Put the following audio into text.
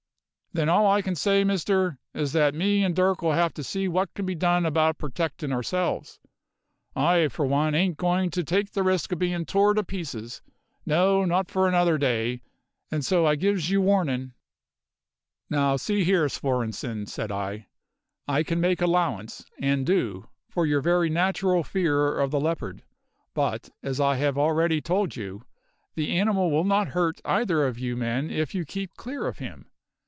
"Then all I can say, Mister, is that me and Dirk 'll have to see what can be done about purtectin' ourselves. I, for one, ain't goin' to take the risk of bein' tore to pieces; no, not for another day, and so I gives you warnin'." "Now, see here, Svorenssen," said I. "I can make allowance and do for your very natural fear of the leopard; but, as I have already told you, the animal will not hurt either of you men if you keep clear of him.